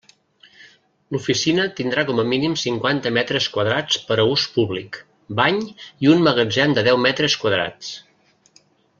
L'oficina tindrà com a mínim cinquanta metres quadrats per a ús públic, bany i un magatzem de deu metres quadrats.